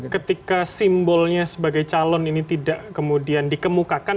ketika simbolnya sebagai calon ini tidak kemudian dikemukakan